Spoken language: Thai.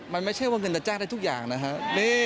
มันไม่ใช่ว่าเงินจะจ้างได้ทุกอย่างนะฮะ